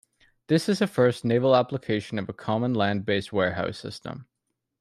This is a first naval application of a common land-based warehouse system.